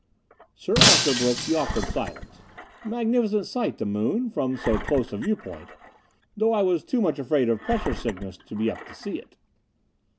Sir Arthur broke the awkward silence. "Magnificent sight, the moon, from so close a viewpoint though I was too much afraid of pressure sickness to be up to see it."